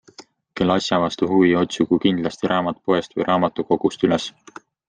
Kel asja vastu huvi, otsigu kindlasti raamat poest või raamatukogust üles.